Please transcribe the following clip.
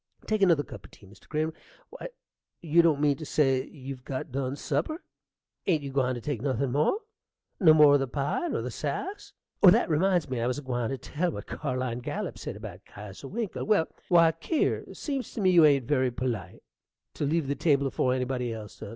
Take another cup o' tea, Mr. Crane. Why, you don't mean to say you've got done supper! ain't you gwine to take nothin' more? no more o' the pie? nor the sass? Well, won't you have another pickle? Oh, that reminds me: I was a gwine to tell what Carline Gallup said about Kesier Winkle. Why, Kier, seems to me you ain't very perlite to leave the table afore anybody else does.